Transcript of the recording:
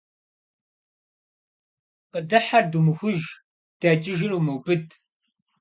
Къыдыхьэр думыхуж, дэкӀыжыр умыубыд.